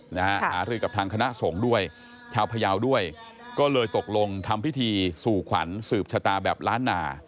หารือกับทางคณะสงฆ์ด้วยชาวพยาวด้วยก็เลยตกลงทำพิธีสู่ขวัญสืบชะตาแบบล้านนา